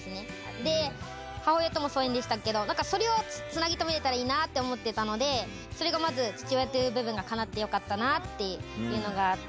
で、母親とも疎遠でしたけど、なんかそれをつなぎとめれたらいいなと思ってたので、それがまず父親という部分がかなってよかったなっていうのがあって。